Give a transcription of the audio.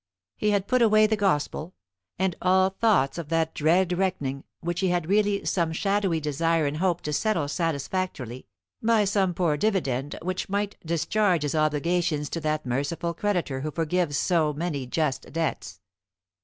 He had put away the Gospel, and all thoughts of that dread reckoning which he had really some shadowy desire and hope to settle satisfactorily, by some poor dividend which might discharge his obligations to that merciful Creditor who forgives so many just debts.